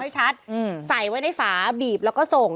ใส่ไว้ในฝาบีบแล้วก็ส่ง